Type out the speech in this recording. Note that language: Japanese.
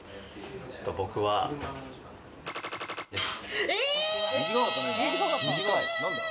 僕は○○です。